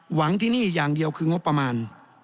หวังที่นี่อย่างเดียวคืองบประมาณ